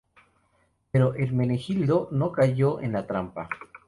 Pero Hermenegildo no cayó en la trampa.